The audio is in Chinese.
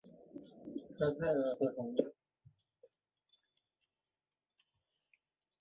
出生于北宁省顺成县。